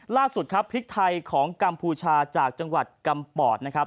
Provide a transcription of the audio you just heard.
ล่าสุดครับพริกไทยของกัมพูชาจากจังหวัดกำปอดนะครับ